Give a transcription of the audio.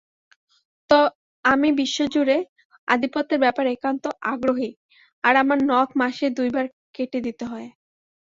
আমি বিশ্বজুড়ে আধিপত্যের ব্যাপারে একান্ত আগ্রহী আর আমার নখ মাসে দুইবার কেটে দিতে হয়।